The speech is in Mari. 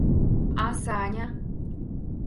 — А, Саня!